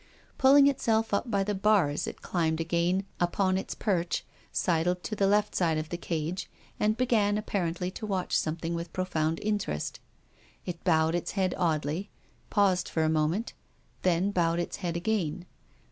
Pulling itself up by the bars it climbed again upon its perch, sidled to the left side of the cage, and began apparently to watch something with pro found interest. It bowed its head oddly, paused for a moment, then bowed its head again.